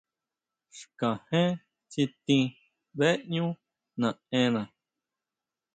Xkajén tsitin beʼñú naʼena.